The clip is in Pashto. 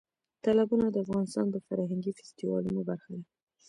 تالابونه د افغانستان د فرهنګي فستیوالونو برخه ده.